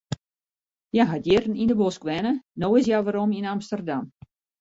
Hja hat jierren yn de bosk wenne, no is hja werom yn Amsterdam.